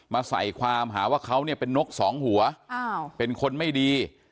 มาใส่ความหาว่าเกาแนนกสองหัวเป็นคนไม่ดี